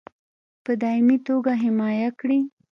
په دایمي توګه حمایه کړي.